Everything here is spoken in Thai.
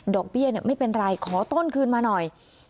เบี้ยไม่เป็นไรขอต้นคืนมาหน่อย